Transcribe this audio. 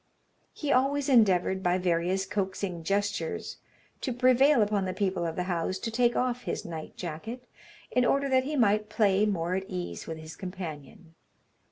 He always endeavoured, by various coaxing gestures, to prevail upon the people of the house to take off his night jacket, in order that he might play more at ease with his companion.